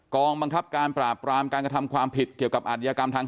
กองบังคับการปราบปรามการกระทำความผิดเกี่ยวกับอาธิกรรมทาง